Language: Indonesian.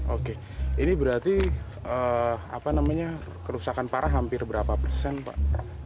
oke ini berarti kerusakan parah hampir berapa persen pak